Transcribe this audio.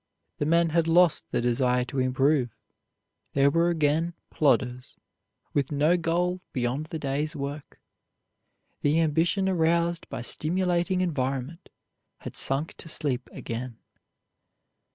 The men had lost the desire to improve; they were again plodders, with no goal beyond the day's work. The ambition aroused by stimulating environment had sunk to sleep again.